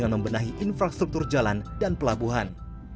yang membenahi infrastruktur jalan dan pelabuhan